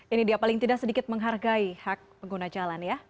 ini dia paling tidak sedikit menghargai hak pengguna jalan ya